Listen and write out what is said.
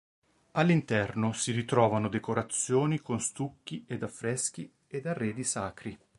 All'interno si ritrovano decorazioni con stucchi ed affreschi ed arredi sacri.